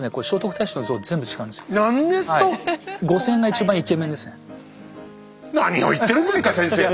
何ですと⁉何を言ってるんですか先生。